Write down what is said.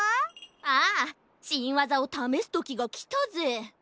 ああしんわざをためすときがきたぜ！